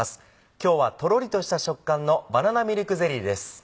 今日はとろりとした食感の「バナナミルクゼリー」です。